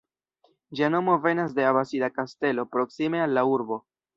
Ĝia nomo venas de abasida kastelo proksime al la urbo.